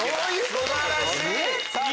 素晴らしい！